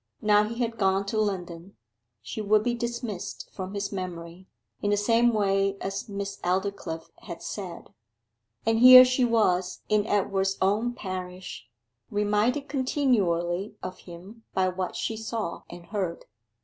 Now he had gone to London: she would be dismissed from his memory, in the same way as Miss Aldclyffe had said. And here she was in Edward's own parish, reminded continually of him by what she saw and heard.